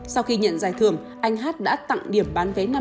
sau khi nhận giải thưởng anh h đã tặng điểm bán vé trung tâm